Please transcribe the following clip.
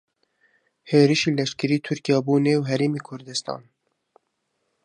هێرشی لەشکریی تورکیا بۆ نێو هەرێمی کوردستان